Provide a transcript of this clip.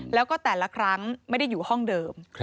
แล้วก็แต่ละครั้งไม่ได้อยู่ห้องเดิม